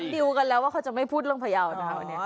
ดิวกันแล้วว่าเขาจะไม่พูดเรื่องพยาวนะคะวันนี้